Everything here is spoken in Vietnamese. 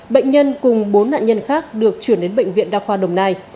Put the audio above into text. bệnh nhân cùng bốn nạn nhân khác được chuyển đến bệnh viện đa khoa đồng nai